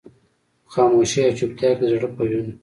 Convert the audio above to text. په خاموشۍ او چوپتيا کې د زړه په وينو.